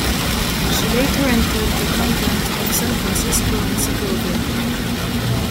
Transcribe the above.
She later entered the convent of San Francisco in Segovia.